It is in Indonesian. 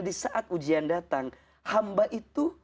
di saat ujian datang hamba itu